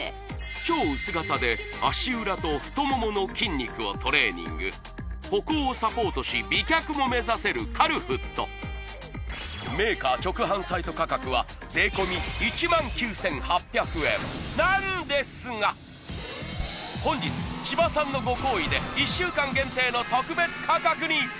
超薄型で足裏と太ももの筋肉をトレーニング歩行をサポートし美脚も目指せるカルフットメーカー直販サイト価格は本日千葉さんのご厚意で１週間限定の特別価格に！